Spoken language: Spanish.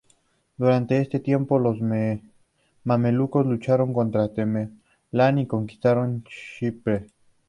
Durante este tiempo los mamelucos lucharon contra Tamerlán y conquistaron Chipre.